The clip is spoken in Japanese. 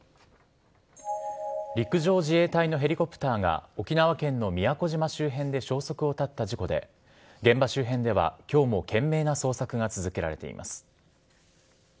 陸上自衛隊のヘリコプターが、沖縄県の宮古島周辺で消息を絶った事故で、現場周辺ではきょうも懸命な捜索が続けられています。